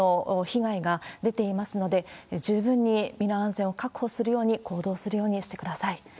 また、今も大雨の被害が出ていますので、十分に身の安全を確保するように行動するようにしてください。